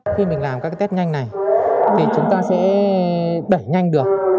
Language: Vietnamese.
khi mình làm các test nhanh này thì chúng ta sẽ đẩy nhanh được